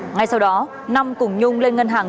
ngay sau đó năm cùng nhung lên ngân hàng